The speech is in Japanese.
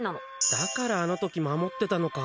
だからあの時、守ってたのか。